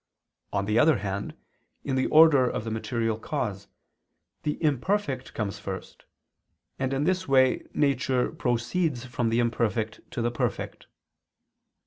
On the other hand, in the order of the material cause, the imperfect comes first, and in this way nature proceeds from the imperfect to the perfect.